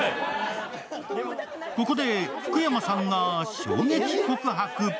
ここで福山さんが衝撃告白。